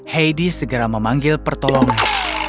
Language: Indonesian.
heidi segera memanggil pertolongan